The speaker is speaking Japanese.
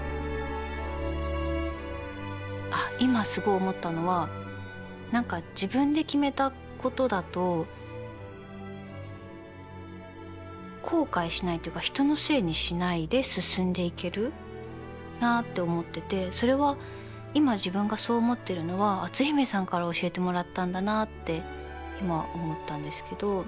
あっ今すごい思ったのは何か自分で決めたことだと後悔しないっていうか人のせいにしないで進んでいけるなって思っててそれは今自分がそう思ってるのは篤姫さんから教えてもらったんだなって今思ったんですけど。